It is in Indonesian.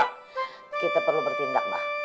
kita perlu bertindak mbah